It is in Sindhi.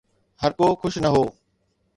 هرڪو خوش نه هو